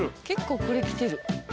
結構これきてる。